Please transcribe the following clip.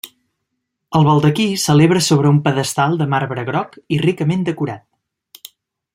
El baldaquí s'eleva sobre un pedestal de marbre groc i ricament decorat.